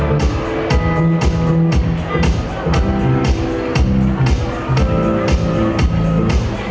ไม่ต้องถามไม่ต้องถาม